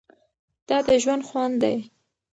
دا د ژوند خوند دی.